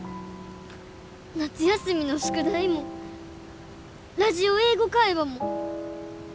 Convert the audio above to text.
夏休みの宿題もラジオ「英語会話」も。